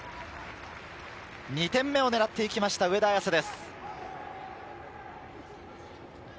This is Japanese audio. ２点目を狙っていきました上田綺世です。